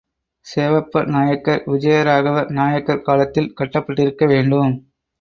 சேவப்ப நாயக்கர், விஜயராகவ நாயக்கர் காலத்தில் கட்டப்பட்டிருக்க வேண்டும்.